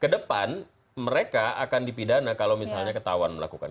kedepan mereka akan dipidana kalau misalnya ketahuan melakukan